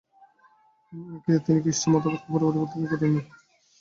তিনি খ্রিস্টীয় মতবাদকে পুরোপুরি প্রত্যাখ্যান করেননি।